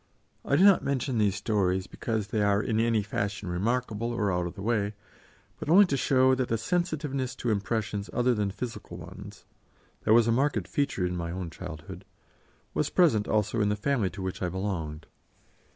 I do not mention these stories because they are in any fashion remarkable or out of the way, but only to show that the sensitiveness to impressions other than physical ones, that was a marked feature in my own childhood, was present also in the family to which I belonged.